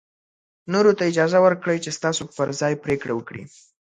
نورو ته اجازه ورکړئ چې ستاسو پر ځای پرېکړه وکړي.